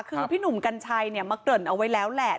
คือพี่หนุ่มกัญชัยมาเกริ่นเอาไว้แล้วแหละ